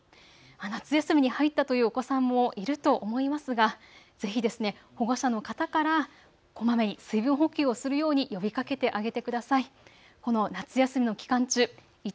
夏休みに入ったというお子さんもいると思いますが、ぜひ保護者の方からこまめに水分補給をするように呼びかけてあげてください。